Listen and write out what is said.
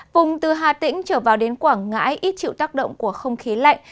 vùng từ hà tĩnh trở vào đến quảng ngãi ít chịu tác động của không khí lạnh